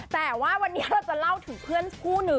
แต่ว่าวันนี้เราจะเล่าถึงเพื่อนคู่นึง